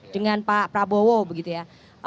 dengan pak prabowo begitu ya